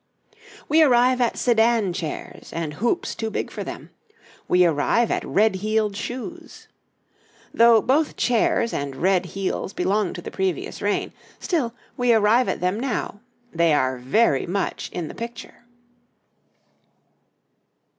We arrive at Sedan chairs and hoops too big for them; we arrive at red heeled shoes. Though both chairs and red heels belong to the previous reign, still, we arrive at them now they are very much in the picture.